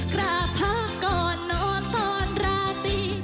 กราบพักก่อนนอนตอนราตี